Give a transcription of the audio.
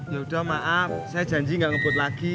yaudah maaf saya janji gak ngebut lagi